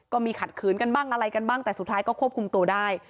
ขัดขืนกันบ้างอะไรกันบ้างแต่สุดท้ายก็ควบคุมตัวได้